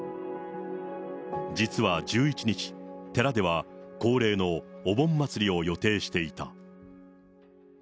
実は１１日、寺では恒例のお盆祭りを予定していた。